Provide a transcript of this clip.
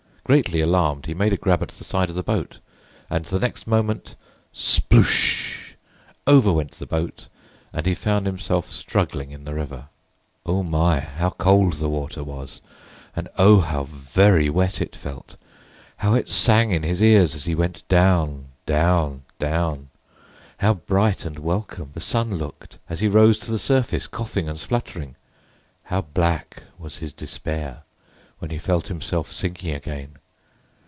Greatly alarmed, he made a grab at the side of the boat, and the next moment—Sploosh! Over went the boat, and he found himself struggling in the river. O my, how cold the water was, and O, how very wet it felt. How it sang in his ears as he went down, down, down! How bright and welcome the sun looked as he rose to the surface coughing and spluttering! How black was his despair when he felt himself sinking again!